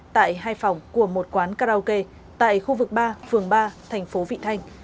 tại hai phòng của một quán karaoke tại khu vực ba phường ba thành phố vị thanh